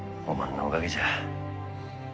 おまんのおかげじゃ！